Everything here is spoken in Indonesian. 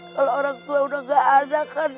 kalau orang tua udah gak ada kan